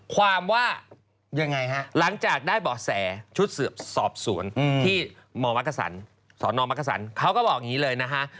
ความว่าหลังจากได้บ่อแสชุดเสือบสอบสวนที่สนมักกะสันเขาก็บอกอย่างนี้เลยนะฮะ